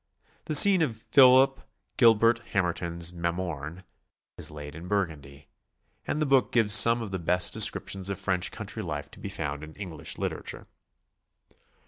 The scene of Philip Gil bert Hamertcn's "Mamorne" is laid in Burgundy, and the book gives some of the best descriptions of French country life to be found in English literature.